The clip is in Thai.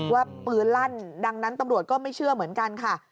ว่าปืนลั่นดังนั้นตำรวจก็ไม่เชื่อเหมือนกันค่ะ